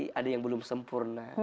tapi ada yang belum sempurna